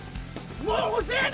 もう遅えだ！